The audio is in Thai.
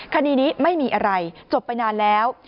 คดีนี้ไม่มีอะไรจบไปนานแล้ว